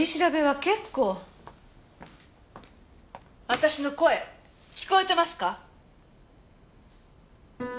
私の声聞こえてますか？